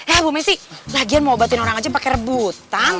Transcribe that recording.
iya ibu mesi lagian mau obatin orang aja pakai rebutan